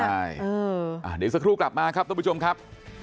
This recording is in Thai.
ใช่เอออ่าเดี๋ยวสักครู่กลับมาครับทุกผู้ชมครับ